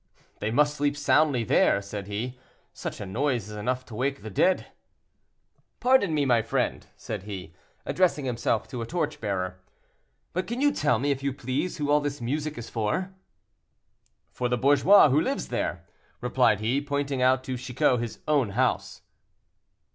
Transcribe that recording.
"They must sleep soundly, there," said he; "such a noise is enough to wake the dead." "Pardon me, my friend," said he, addressing himself to a torch bearer, "but can you tell me, if you please, who all this music is for?" "For the bourgeois who lives there." replied he, pointing out to Chicot his own house.